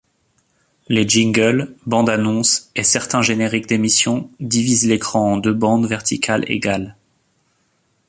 Les jingles, bandes-annonces et certains génériques d'émissions divisent l'écran en deux bandes verticales égales.